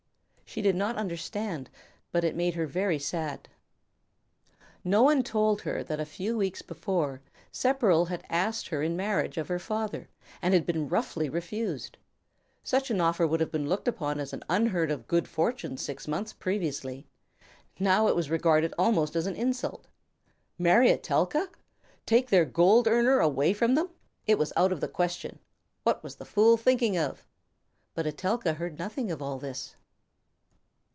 She did not understand, but it made her very sad. No one had told her that a few weeks before, Sepperl had asked her in marriage of her father, and had been roughly refused. Such an offer would have been looked upon as unheard of good fortune six months previously; now it was regarded almost as an insult! Marry Etelka! Take their gold earner away from them! It was out of the question. What was the fool thinking of? But Etelka heard nothing of all this.